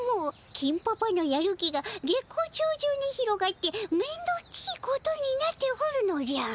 金パパのやる気が月光町中に広がってめんどっちいことになっておるのじゃ。